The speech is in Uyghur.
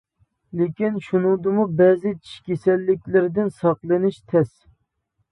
لېكىن شۇنىڭدىمۇ بەزى چىش كېسەللىكلىرىدىن ساقلىنىش تەس.